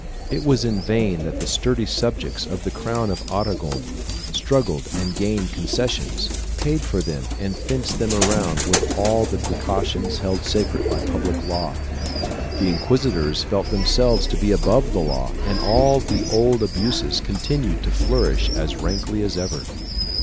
It was in vain that the sturdy subjects of the crown of Aragon struggled and gained concessions, paid for them and fenced them around with all the precautions held sacred by public law. The inquisitors felt themselves to be above the law and all the old abuses continued to flourish as rankly as ever.